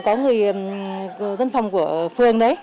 là một điểm dân phòng của phường đấy